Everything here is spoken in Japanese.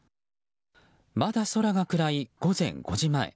まだ空が暗い午前５時前。